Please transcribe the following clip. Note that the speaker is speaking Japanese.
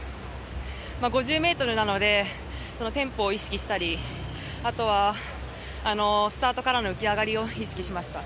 ５０ｍなのでテンポを意識したりあとはスタートからの浮き上がりを意識しました。